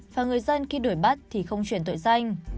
và người dân khi đuổi bắt thì không chuyển tội danh